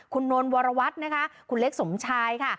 คุณนนท์วรวัตรนะคะคุณเล็กสมชายค่ะ